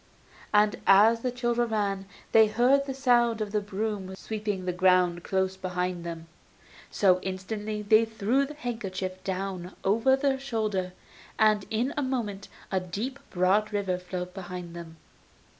And as the children ran they heard the sound of the broom sweeping the ground close behind them, so instantly they threw the handkerchief down over their shoulder, and in a moment a deep, broad river flowed behind them.